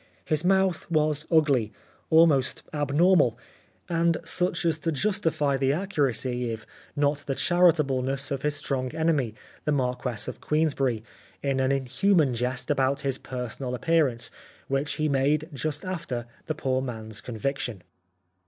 His mouth was ugly, almost abnormal, and such as to justify the accuracy if not the charitableness of his strong enemy, the Marquess of Queensberry, in an inhuman jest about his personal appear ance, which he made just after the poor man's conviction.